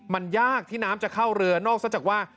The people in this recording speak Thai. มันยากที่น้ำจะเข้าเรือนอกซะจากว่า